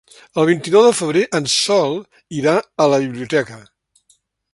El vint-i-nou de febrer en Sol irà a la biblioteca.